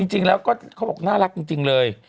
จริงแล้วก็เขาบอกน่ารักจริงเลย